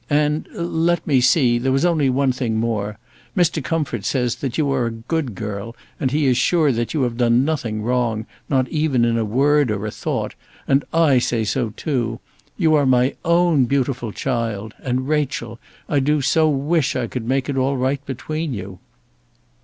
And, let me see; there was only one thing more. Mr. Comfort says that you are a good girl, and that he is sure you have done nothing wrong, not even in a word or a thought; and I say so too. You are my own beautiful child; and, Rachel, I do so wish I could make it all right between you."